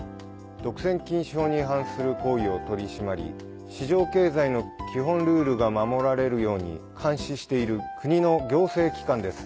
独占禁止法に違反する行為を取り締まり市場経済の基本ルールが守られるように監視している国の行政機関です。